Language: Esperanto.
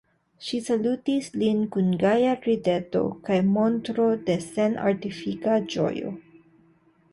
Ŝi salutis lin kun gaja rideto kaj montro de senartifika ĝojo.